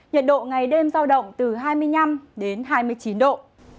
nhiệt độ ngày đêm giao động từ hai mươi năm đến hai mươi chín độ